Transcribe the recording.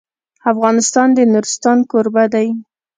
افغانستان د نورستان کوربه دی.